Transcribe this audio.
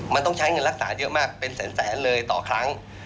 มันต้องใช้เงินรักษาเยอะมากเป็นแสนเลยต่อครั้ง